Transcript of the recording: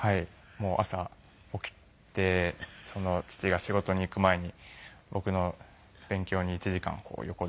もう朝起きて父が仕事に行く前に僕の勉強に１時間横で。